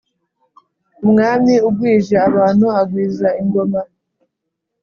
umwami ugwije abantu agwiza ingoma.